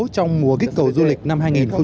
trong mùa kích cầu du lịch năm hai nghìn hai mươi